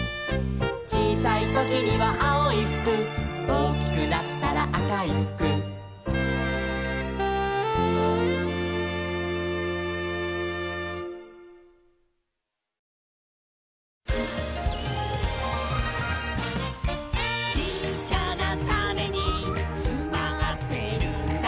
「ちいさいときにはあおいふく」「おおきくなったらあかいふく」「ちっちゃなタネにつまってるんだ」